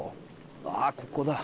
あここだ。